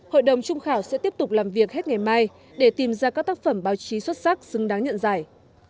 hội đồng trung khảo sẽ tiếp tục làm việc hết ngày mai để tìm ra các tác phẩm báo chí xuất sắc xứng đáng nhận giải